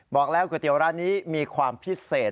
บอกแล้วก๋วยเตี๋ยวร้านนี้มีความพิเศษ